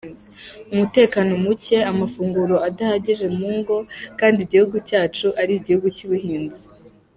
Umutekano muke, amafunguro adahagije mu ngo kandi igihugu cyacu ari igihugu cy’ubuhinzi.